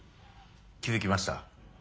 気付きました？